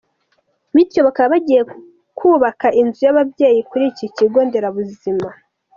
bityo bakaba bagiye kubaka inzu y’ababyeyi kuri iki kigo nderabuzima.